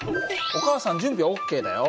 お母さん準備はＯＫだよ。